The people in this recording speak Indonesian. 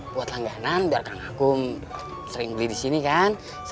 buat langganan biar kang akung sering beli disini kan satu ratus dua puluh lima nya